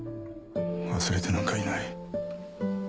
忘れてなんかいない。